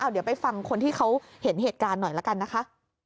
เดี๋ยวไปฟังคนที่เขาเห็นเหตุการณ์หน่อยละกันนะคะ